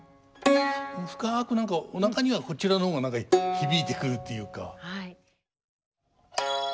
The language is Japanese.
深く何かおなかにはこちらの方が何か響いてくるというか。